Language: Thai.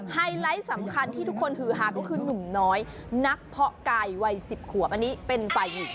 ไฮไลท์สำคัญที่ทุกคนฮือฮาก็คือหนุ่มน้อยนักเพาะไก่วัย๑๐ขวบอันนี้เป็นฝ่ายหญิง